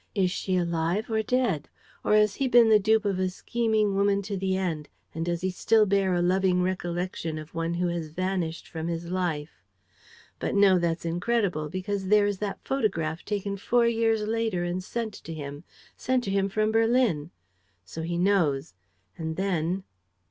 Is she alive or dead? Or has he been the dupe of a scheming woman to the end and does he still bear a loving recollection of one who has vanished from his life? But no, that's incredible, because there is that photograph, taken four years later and sent to him: sent to him from Berlin! So he knows; and then